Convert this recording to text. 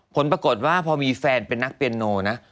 ผลปรากฏว่าพอมีแฟนเป็นนักเปียโนนะ